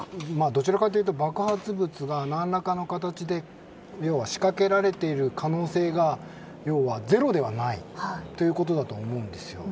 どちらかというと爆発物が何らかの形で仕掛けられている可能性が要はゼロではないということだと思うんですよ。